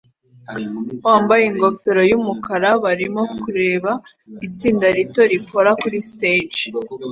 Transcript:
wambaye ingofero yumukara barimo kureba itsinda rito rikora kuri stage